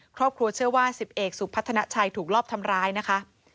ครอบครัวเชื่อว่า๑๐เอกสุพัฒนาชัยถูกรอบทำร้ายนะคะ